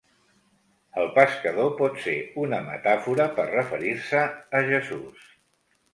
El pescador pot ser una metàfora per referir-se a Jesús.